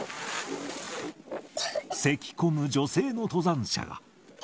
せきこむ女性の登山者が。